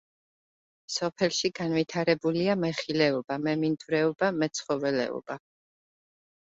სოფელში განვითარებულია მეხილეობა, მემინდვრეობა, მეცხოველეობა.